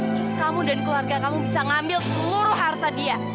terus kamu dan keluarga kamu bisa ngambil seluruh harta dia